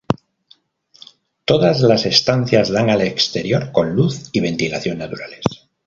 Todas las estancias dan al exterior, con luz y ventilación naturales.